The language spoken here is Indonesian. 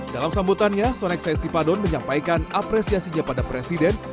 dalam sambutannya sonexai sipadon menyampaikan apresiasinya pada presiden